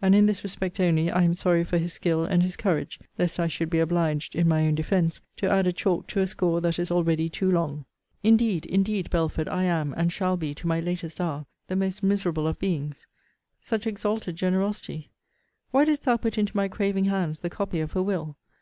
And in this respect only I am sorry for his skill, and his courage, lest I should be obliged, in my own defence, to add a chalk to a score that is already too long. Indeed, indeed, Belford, I am, and shall be, to my latest hour, the most miserable of beings. Such exalted generosity! Why didst thou put into my craving hands the copy of her will?